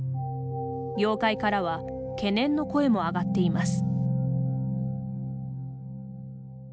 業界からは懸念の声もあがっています。